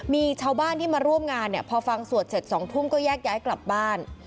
มีชาวบ้านที่มาร่วมงานเนี่ยพอฟังสวดเสร็จ๒ทุ่มก็แยกย้ายกลับบ้าน